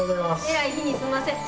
えらい日にすんません。